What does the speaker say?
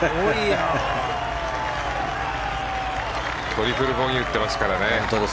トリプルボギー打ってますからね。